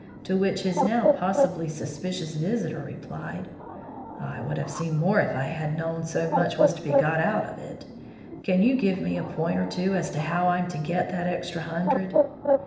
To which his now possibly suspicious visitor replied: "I would have seen more if I had known so much was to be got out of it. Can you give me a point or two as to how I'm to get that extra hundred?"